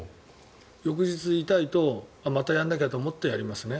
翌日、痛いとまたやらなきゃと思ってやりますね。